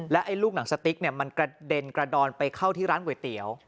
ไอ้ลูกหนังสติ๊กมันกระเด็นกระดอนไปเข้าที่ร้านก๋วยเตี๋ยว